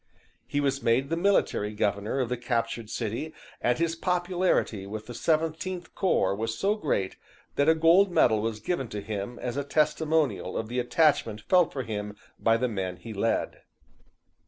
He was made the Military Governor of the captured city, and his popularity with the Seventeenth Corps was so great that a gold medal was given to him as a testimonial of the attachment felt for him by the men he led.